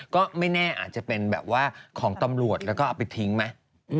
ก็ไม่แน่อาจจะเป็นแบบว่าของตำรวจแล้วก็เอาไปทิ้งไหม